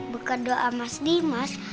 berkat doa mas dimas